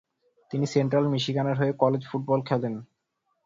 তিনি সেন্ট্রাল মিশিগানের হয়ে কলেজ ফুটবল খেলেন।